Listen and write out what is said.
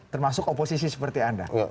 termasuk oposisi seperti anda